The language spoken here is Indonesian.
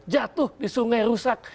jatuh di sungai rusak